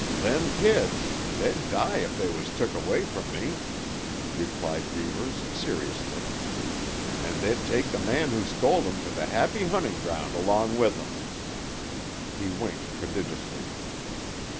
"Them kids—they'd die if they was took away from me," replied Reivers seriously. "And they'd take the man who stole 'em to the happy hunting ground along with 'em." He winked prodigiously.